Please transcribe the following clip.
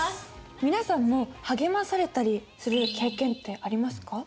皆さんも励まされたりする経験ってありますか？